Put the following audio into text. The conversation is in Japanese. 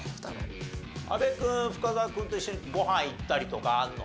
阿部君深澤君と一緒にご飯行ったりとかあるの？